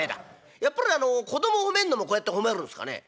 「やっぱりあの子供褒めんのもこうやって褒めるんですかね？」。